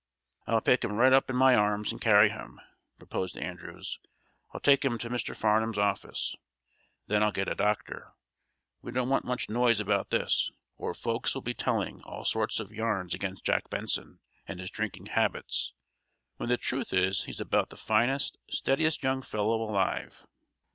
"I'll pick him right up in my arms and carry him," proposed Andrews. "I'll take him to Mr. Farnum's office. Then I'll get a doctor. We don't want much noise about this, or folks will be telling all sorts of yarns against Jack Benson and his drinking habits, when the truth is he's about the finest, steadiest young fellow alive!"